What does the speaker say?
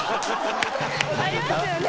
ありますよね？